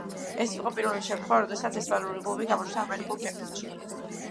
ეს იყო პირველი შემთხვევა, როდესაც ესპანური კლუბი გამოჩნდა ამერიკულ ფეხბურთში.